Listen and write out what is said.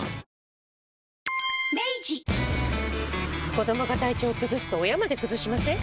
子どもが体調崩すと親まで崩しません？